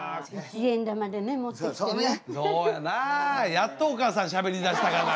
やっとおかあさんしゃべりだしたがな。